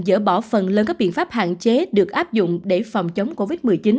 dỡ bỏ phần lớn các biện pháp hạn chế được áp dụng để phòng chống covid một mươi chín